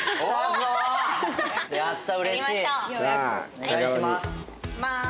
お願いします。